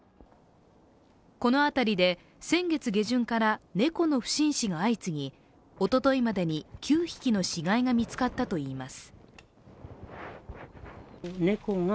この辺りで先月下旬から猫の不審死が相次ぎ、おとといまでに９匹の死骸が見つかったといいます。